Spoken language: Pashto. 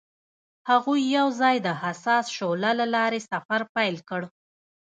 هغوی یوځای د حساس شعله له لارې سفر پیل کړ.